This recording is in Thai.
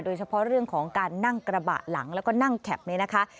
โดยเฉพาะเรื่องของการนั่งกระบะหลังแล้วก็นั่งแคปนี้นะคะ